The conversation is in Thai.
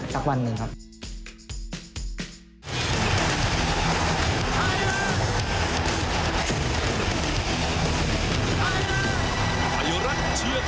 สักวันหนึ่งครับ